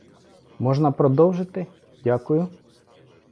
Можна продовжити? Дякую.